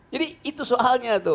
jadi itu soalnya